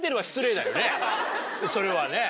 それはね。